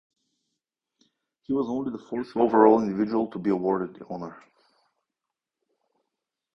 He was only the fourth overall individual to be awarded the honor.